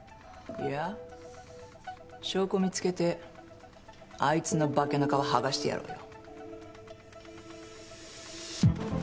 いや証拠見つけてあいつの化けの皮剥がしてやろうよ。